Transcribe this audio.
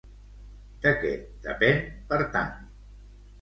De què depèn, per tant?